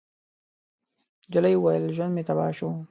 نجلۍ وويل: ژوند مې تباه شو.